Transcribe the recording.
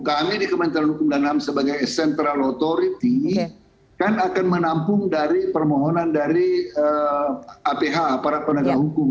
kami di kementerian hukum dan ham sebagai central authority kan akan menampung dari permohonan dari aph para penegak hukum